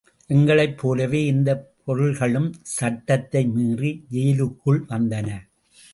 எங்களைப் போலவே இந்தப் பொருள்களும் சட்டத்தை மீறி ஜெயிலுக்குள் வந்தன.